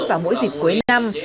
vào mỗi dịp cuối năm